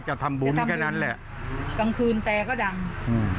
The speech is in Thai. จะทำบุญแค่นั้นแหละกลางคืนแต่ก็ดังอืม